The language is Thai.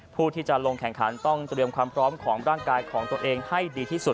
ผู้ที่จะลงแข่งขันต้องเตรียมความพร้อมของร่างกายของตัวเองให้ดีที่สุด